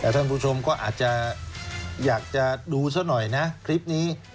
ท่านผู้ชมก็อาจจะอยากจะดูซะหน่อยนะคลิปนี้